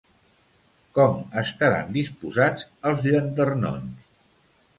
Com estaran disposats els llanternons?